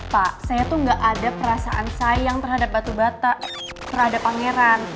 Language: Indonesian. pak saya tuh gak ada perasaan sayang terhadap batu bata terhadap pangeran